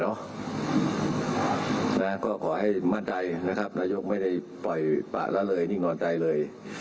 นะครับก็ขอให้มั่นใจนะครับนายกไม่ได้ปล่อยปล่าแล้วเลยนิ่งนอนใจเลย